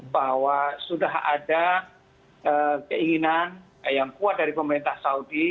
bahwa sudah ada keinginan yang kuat dari pemerintah saudi